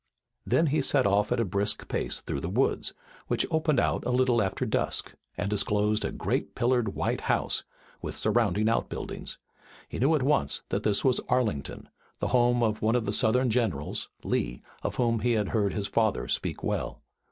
Then he set off at a brisk pace through the woods, which opened out a little after dusk, and disclosed a great pillared white house, with surrounding outbuildings. He knew at once that this was Arlington, the home of one of the Southern generals, Lee, of whom he had heard his father speak well.